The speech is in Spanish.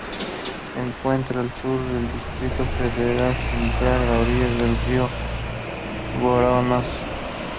Se encuentra al sur del Distrito Federal Central, a orillas del río Voronezh.